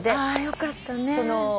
あよかったね。